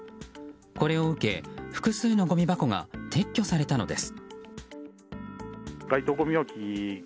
これを受け、複数のごみ箱が撤去されたのです。